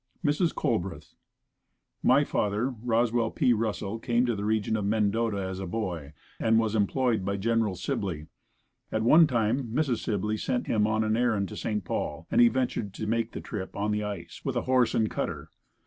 Mrs. Colbrath. My father, Roswell P. Russell came to the region of Mendota as a boy and was employed by Gen. Sibley. At one time, Mrs. Sibley sent him on an errand to St. Paul and he ventured to make the trip on the ice, with a horse and cutter.